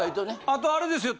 あとあれですよ。